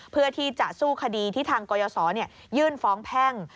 เพื่อที่จะสู้คดีที่ทางกรยศยื่นฟ้องแพ่ง